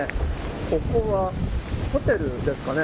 ここはホテルですかね。